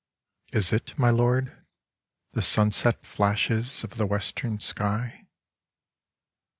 Is it, my Lord, the sunset flashes of the Western sky